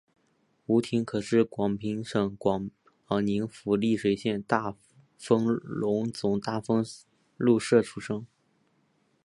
吴廷可是广平省广宁府丽水县大丰禄总大丰禄社出生。